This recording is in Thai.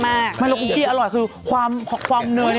มันแล้วคุกกี้อร่อยคือความเนย